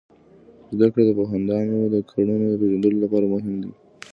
زده کړه د پوهاندانو د کړنو د پیژندلو لپاره مهم دی.